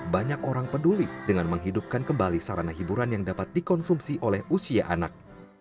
banyak orang peduli dengan menghidupkan kembali sarana hiburan yang dapat dikonsumsi oleh usia anak